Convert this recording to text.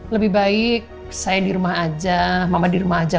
lebih baik saya di rumah aja mama di rumah aja